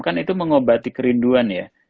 kan itu mengobati kerinduan ya